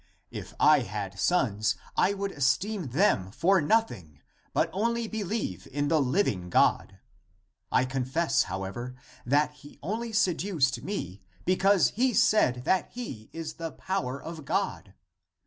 If I had sons, I would esteem (them) for nothing, but only believe in the living God. I confess, however, that he only seduced me because he said that he is the power of God.